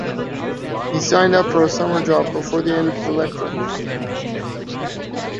He signed up for a summer job before the end of the lecture.